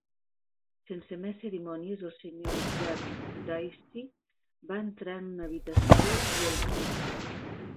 Sense més cerimònies, el sr. Jarndyce va entrar a una habitació i el vam seguir.